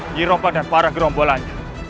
nyirompa dan para gerombolannya